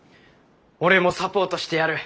俺もサポートしてやる。